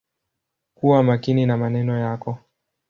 Kuwa makini na maneno yako.